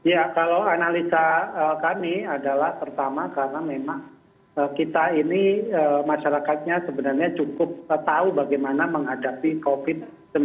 ya kalau analisa kami adalah pertama karena memang kita ini masyarakatnya sebenarnya cukup tahu bagaimana menghadapi covid sembilan belas